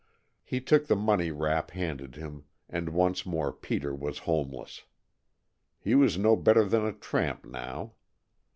He took the money Rapp handed him and once more Peter was homeless. He was no better than a tramp now.